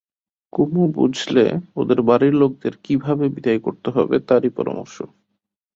কুমু বুঝলে ওদের বাড়ির লোকদের কী ভাবে বিদায় করতে হবে তারই পরামর্শ।